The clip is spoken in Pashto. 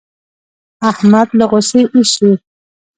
احمد له غوسې اېشي.